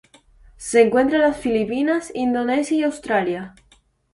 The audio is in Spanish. Se encuentra en las Filipinas, Indonesia y Australia.